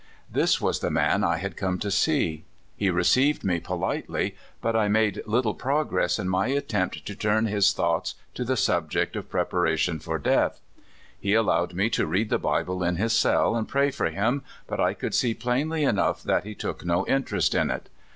This was the man I had come to see. He re ceived me politely, but I made little progress in my attempt to turn his thoughts to the subject of preparation for death. He allowed me to read the Bible in his cell and pray for him, but I could see plainly enough that he took no interest in it.